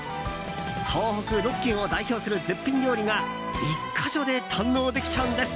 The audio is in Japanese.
東北６県を代表する絶品料理が１か所で堪能できちゃうんです。